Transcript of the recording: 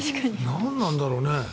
何なんだろうね？